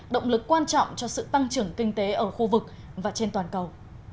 động lực quan trọng cho sự tăng trưởng kinh tế ở khu vực và trên toàn cầu